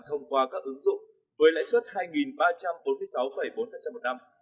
thông qua các ứng dụng với lãi suất hai ba trăm bốn mươi sáu bốn một năm